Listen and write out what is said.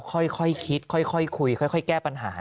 ค่อยคิดค่อยคุยค่อยแก้ปัญหา